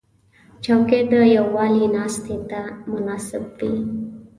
چوکۍ د یووالي ناستې ته مناسب وي.